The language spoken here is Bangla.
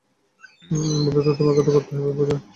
বন্ধুত্ব তোমাকে তো করতেই হবে, পূজা।